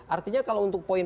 artinya kalau untuk poin